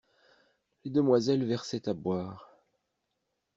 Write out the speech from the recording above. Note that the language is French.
Les demoiselles versaient à boire.